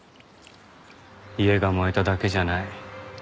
家が燃えただけじゃない。